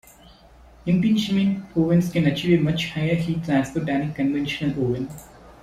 Impingement ovens can achieve a much higher heat transfer than a conventional oven.